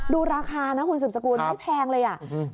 ดูราคานะคุณสุขกูไม่แพงเลย